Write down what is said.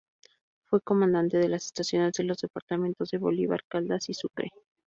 Fue Comandante de las Estaciones de los Departamentos de Bolívar, Caldas y Sucre.